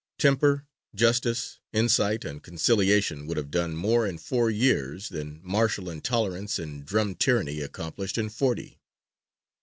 Temper, justice, insight, and conciliation would have done more in four years than martial intolerance and drum tyranny accomplished in forty.